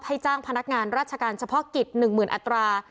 จ้างพนักงานราชการเฉพาะกิจ๑๐๐๐อัตรา